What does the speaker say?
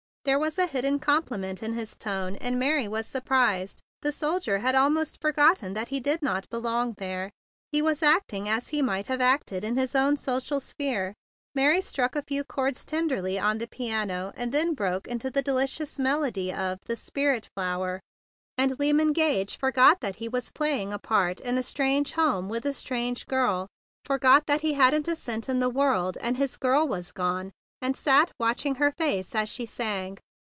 There was a hidden compliment in his tone, and Mary was surprised. The soldier had almost forgotten that he did not be¬ long there. He was acting as he might have acted in his own social sphere. Mary struck a few chords tenderly on the piano, and then broke into the delicious melody of "The Spirit Flower;" and Lyman Gage forgot that he was playing a part in a strange home with a strange girl, forgot that he hadn't a cent in the world, and his girl was gone, and sat watching her face as she sang.